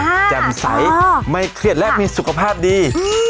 หล่าเริงแจ่มใสไม่เครียดและมีสุขภาพดี